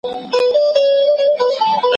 که خوراک بدل شي پایله ښه کېږي.